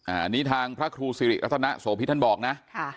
อ่านี่ทางพระครูสิริรถะแรต์วาสวพิษท่านบอกนะ